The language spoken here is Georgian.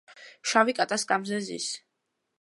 შავი კატა სკამზე ზის.